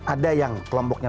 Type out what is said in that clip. ada yang kelompoknya